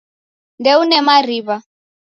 Ndeune mariwa